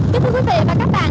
xin chào quý vị và các bạn